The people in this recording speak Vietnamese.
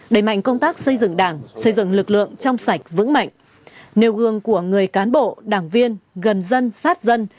đẩy mạnh công tác xây dựng đảng xây dựng lực lượng trong sạch vững mạnh nêu gương của người cán bộ đảng viên gần dân sát dân